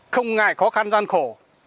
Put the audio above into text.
không ngại khó khăn gian khổ